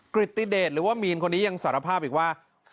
ฤติเดชหรือว่ามีนคนนี้ยังสารภาพอีกว่า